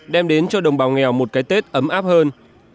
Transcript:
đem đến cho đồng bào nghèo một cái tết ấm áp hơn